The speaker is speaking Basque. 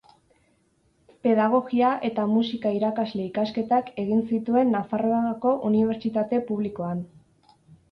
Pedagogia eta musika-irakasle ikasketak egin zituen Nafarroako Unibertsitate Publikoan.